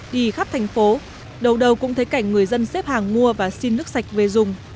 đi khắp thành phố đầu đầu cũng thấy cảnh người dân xếp hàng mua và xin nước sạch về dùng